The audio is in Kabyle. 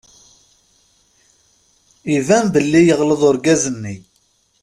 Iban belli yeɣleḍ urgaz-nni.